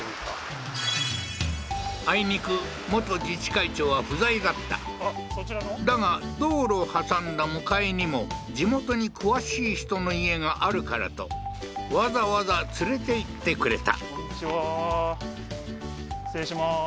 あいにく元自治会長は不在だっただが道路を挟んだ向かいにも地元に詳しい人の家があるからとわざわざ連れていってくれた